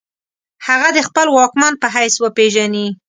هغه د خپل واکمن په حیث وپیژني.